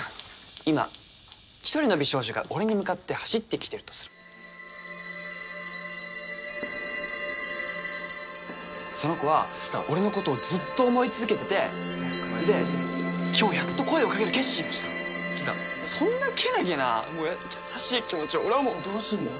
今１人の美少女が俺に向かって走ってきてるとするその子は俺のことをずっと思い続けててで今日やっと声をかける決心をしたそんなけなげな優しい気持ちを俺はもうどうすんの？